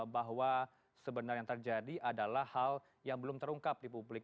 bahwa sebenarnya yang terjadi adalah hal yang belum terungkap di publik